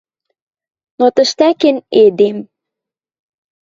Но тӹштӓкен эдем